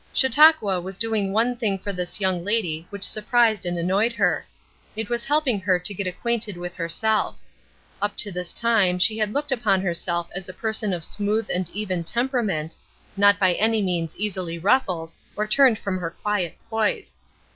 Chautauqua was doing one thing for this young lady which surprised and annoyed her. It was helping her to get acquainted with herself. Up to this time she had looked upon herself as a person of smooth and even temperament, not by any means easily ruffled or turned from her quiet poise.